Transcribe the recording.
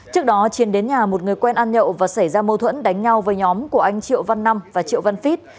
trước đó chiến đến nhà một người quen ăn nhậu và xảy ra mâu thuẫn đánh nhau với nhóm của anh triệu văn năm và triệu văn phít